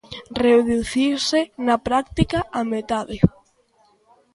Reduciuse na práctica á metade.